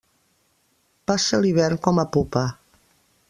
Passa l'hivern com a pupa.